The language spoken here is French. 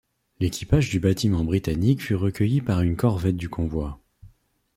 L'équipage du bâtiment britannique fut recueilli par une corvette du convoi.